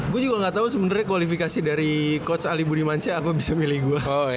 gua juga ga tau sebenernya kualifikasi dari coach ali budi mansyah aku bisa milih gua